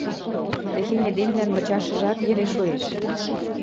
Техень эдемлӓн мычашыжат йӹле шоэш...